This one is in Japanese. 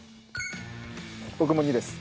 僕も２です。